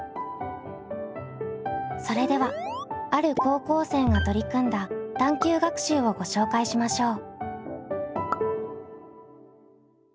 それではある高校生が取り組んだ探究学習をご紹介しましょう。